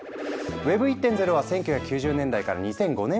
Ｗｅｂ１．０は１９９０年代から２００５年頃までのＷｅｂのこと。